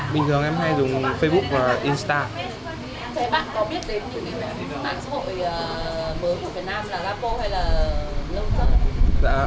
mình thường em hay dùng facebook và instagram